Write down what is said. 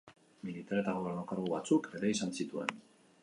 Militar eta gobernu-kargu batzuk ere izan zituen.